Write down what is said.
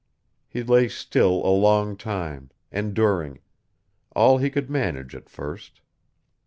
He lay still a long time, enduring all he could manage at first.